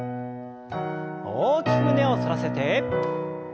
大きく胸を反らせて。